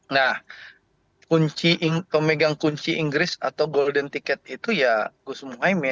nah pemegang kunci inggris atau golden ticket itu ya gus muhaymin